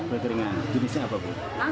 kue keringan jenisnya apa bu